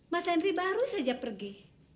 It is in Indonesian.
mas henry baru saja pergi